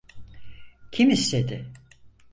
Kim istedi?